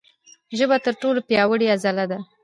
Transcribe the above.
ژبه تر ټولو پیاوړې عضله ده.